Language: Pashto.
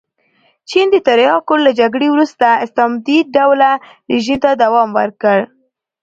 چین د تریاکو له جګړې وروسته استبدادي ډوله رژیم ته دوام ورکړ.